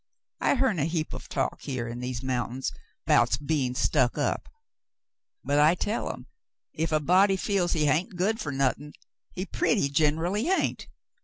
I hearn a heap o' talk here in these mountains 'bouts bein' stuck up, but I tell 'em if a body feels he hain't good fer nothin', he pretty generally hain't.